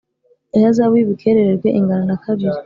ihazabu y’ ubukerererwe ingana na kabiri.